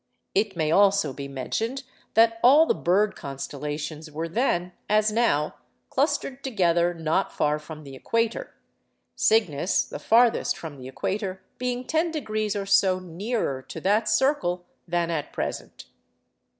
It may also be mentioned that all the bird constellations were then, as now, clustered together not far from the equator—Cygnus (the farthest from the equator) being ten degrees or so nearer to that circle than at present.